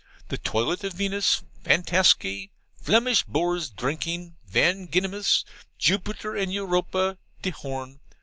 The toilet of Venus, Fantaski. Flemish Bores drinking, Van Ginnums. Jupiter and Europia, de Horn.